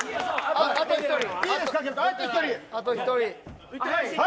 あと１人は。